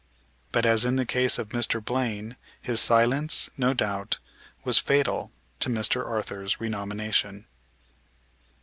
But, as in the case of Mr. Blaine, his silence, no doubt, was fatal to Mr. Arthur's renomination.